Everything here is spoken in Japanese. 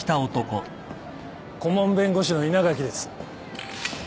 顧問弁護士の稲垣です。